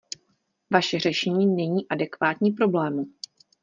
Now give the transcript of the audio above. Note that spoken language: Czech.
Vaše řešení není adekvátní problému.